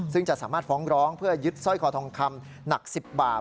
ซึ่งจะสามารถฟ้องร้องเพื่อยึดสร้อยคอทองคำหนัก๑๐บาท